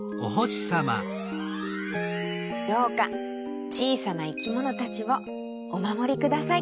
どうかちいさないきものたちをおまもりください。